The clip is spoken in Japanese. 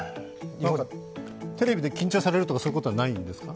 テレビで緊張されるとかそういうことはないんですか？